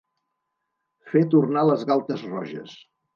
Fer tornar les galtes roges.